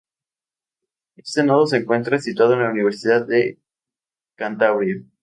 Este nodo se encuentra situado en la Universidad de Cantabria.